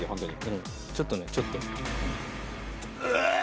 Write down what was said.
ちょっとねちょっと。